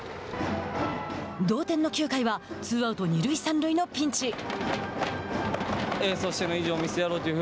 同点の９回はツーアウト、二塁三塁のピンチ。